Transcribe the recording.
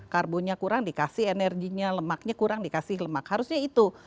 karbonnya kurang dikasih energinya lemaknya kurang dikasih lemak harusnya itu